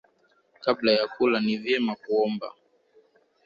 Kabla ya kula ni vyema kuomba.